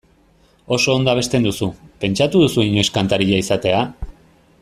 Oso ondo abesten duzu, pentsatu duzu inoiz kantaria izatea?